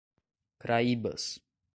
Craíbas